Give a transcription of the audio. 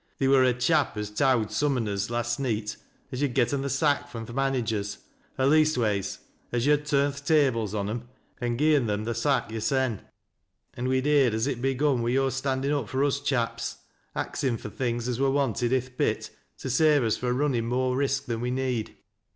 Theer wur a chap as ♦^^owd some on us last neet, as yo'd getten th' sack fro' th' managers — or leastways as yo'd turned th' tables on 'em an' gi'en them th' sack yo'rsen. An' we'n Iieerd as it begun wi' yo're standin' up fur us chaps — axin fur things as wur wanted i' th' pit to save us fro' runnin' more risk than we need.